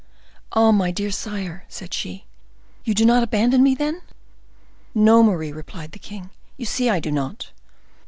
"Ah, my dear sire!" said she, "you do not abandon me, then?" "No, Marie," replied the king; "you see I do not."